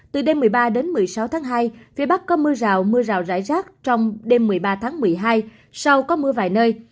từ đêm một mươi ba đến một mươi sáu tháng hai phía bắc có mưa rào mưa rào rải rác trong đêm một mươi ba tháng một mươi hai sau có mưa vài nơi